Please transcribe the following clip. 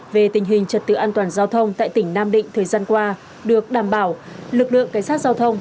về tình hình trật tự an toàn giao thông tại tỉnh nam định thời gian qua được đảm bảo lực lượng cảnh sát giao thông